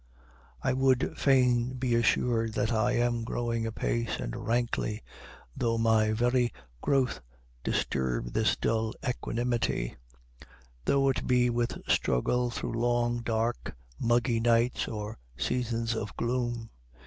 I would fain be assured that I am growing apace and rankly, though my very growth disturb this dull equanimity, though it be with struggle through long, dark, muggy nights or seasons of gloom.